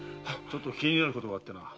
気になることがあってな。